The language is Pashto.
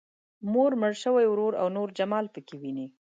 مور، مړ شوی ورور او نور جمال پکې ويني.